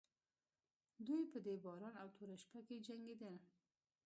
دوی په دې باران او توره شپه کې جنګېدل.